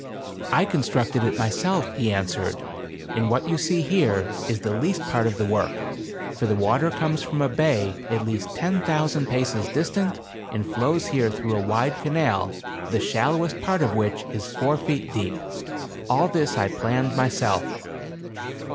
"' I constructed it myself,' he answered, ' and what you see here is the least part of the work, for the water comes from a bay at least ten thou sand paces distant and flows here through a wide canal, the shallowest part of which is four feet deep. All this I planned myself.